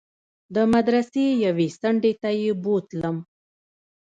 د مدرسې يوې څنډې ته يې بوتلم.